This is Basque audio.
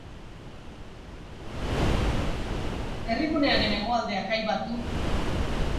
Herrigunearen hegoaldea kai bat du.